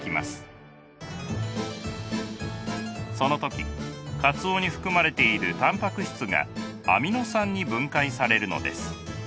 その時かつおに含まれているたんぱく質がアミノ酸に分解されるのです。